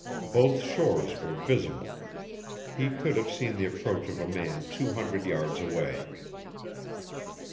Both shores were visible. He could have seen the approach of a man two hundred yards away.